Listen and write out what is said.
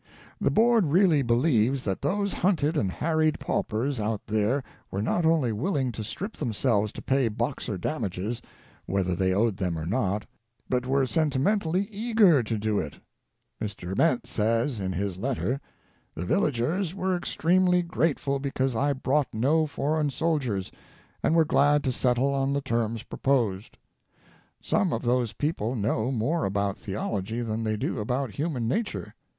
The Board really believes that those hunted and harried paupers out there were not only willing to strip themselves to pay Boxer damages, whether they owed them or not, but were sentimentally eager to do it. Mr. Ament says, in his letter: "The villagers were extremely grateful because I brought no foreign soldiers, and were glad to settle on the terms proposed." Some of those people know more about theology than they do about human nature.